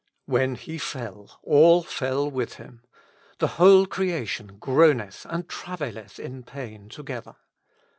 When he fell, all fell with him : the whole creation groaneth and travaileth in pain together.